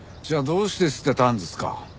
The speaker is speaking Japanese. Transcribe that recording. じゃあどうして捨てたんですか？